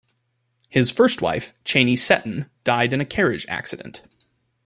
His first wife, Cheney Seton, died in a carriage accident.